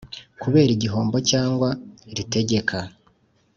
Kubera igihombo cyangwa ritegeka